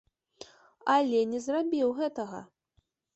Але не зрабіў гэтага.